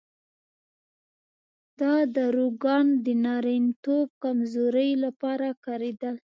دا داروګان د نارینتوب کمزورۍ لپاره کارېدل.